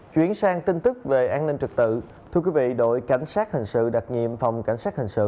chuyển sang tin tức về an ninh trực tự đội cảnh sát hình sự đặc nhiệm phòng cảnh sát hình sự